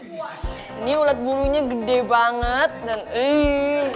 ini ulat bulunya gede banget dan eee